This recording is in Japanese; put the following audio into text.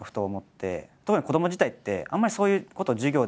特に子ども時代ってあんまりそういうことを授業で習わない。